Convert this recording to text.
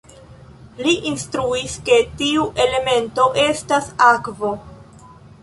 Li instruis, ke tiu elemento estas akvo.